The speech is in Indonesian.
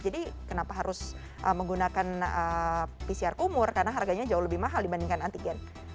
jadi kenapa harus menggunakan pcr kumur karena harganya jauh lebih mahal dibandingkan antigen